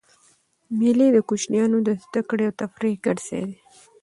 مېلې د کوچنيانو د زدهکړي او تفریح ګډ ځای دئ.